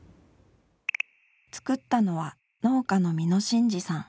作ったのは農家の三野信治さん。